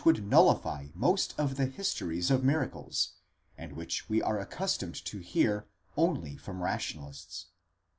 would nullify most of the histories of miracles, and which we are accustomed to hear only from rationalists.